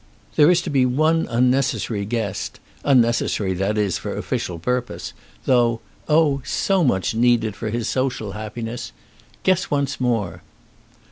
There is to be one unnecessary guest, unnecessary, that is, for official purpose; though, oh, so much needed for his social happiness. Guess once more."